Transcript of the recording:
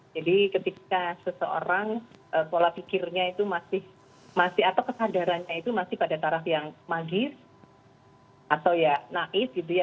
jadi ketika seseorang pola pikirnya itu masih atau kesadarannya itu masih pada taraf yang magis atau ya naif gitu ya